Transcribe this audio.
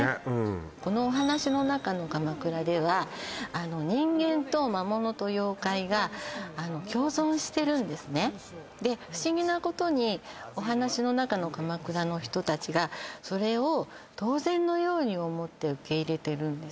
このお話の中の鎌倉ではあの人間と魔物と妖怪が共存してるんですねで不思議なことにお話の中の鎌倉の人達がそれを当然のように思って受け入れてるんです